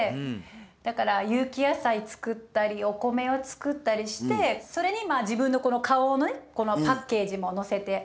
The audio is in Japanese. だから有機野菜作ったりお米を作ったりしてそれに自分のこの顔のねパッケージも載せて。